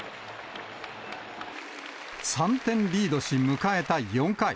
３点リードし、迎えた４回。